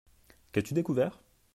Qu’as-tu découvert ?